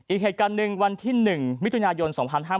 อีกเหตุการณ์หนึ่งวันที่๑มิถุนายน๒๕๕๙